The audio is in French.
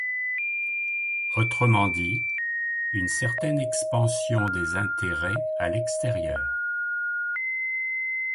Autrement dit, une certaine expansion des intérêts à l’extérieur.